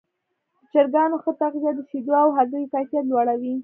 د چرګانو ښه تغذیه د شیدو او هګیو کیفیت لوړوي.